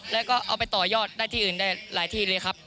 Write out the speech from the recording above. แล้วก็เอาไปต่อยอดได้ที่อื่นได้หลายที่เลยครับ